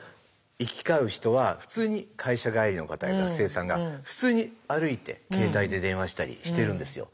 行き交う人は普通に会社帰りの方や学生さんが普通に歩いて携帯で電話したりしてるんですよ。